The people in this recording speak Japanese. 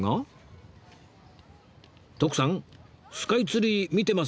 徳さんスカイツリー見てません